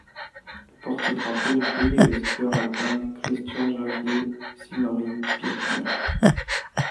Le porte-drapeau du pays est le skieur alpin Cristian Javier Simari Birkner.